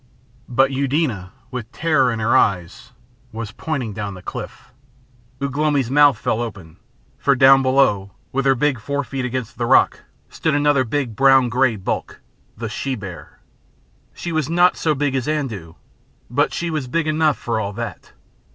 But Eudena, with terror in her eyes, was pointing down the cliff. Ugh lomi's mouth fell open. For down below, with her big fore feet against the rock, stood another big brown grey bulk the she bear. She was not so big as Andoo, but she was big enough for all that.